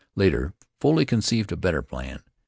Later, Foley conceived a better plan.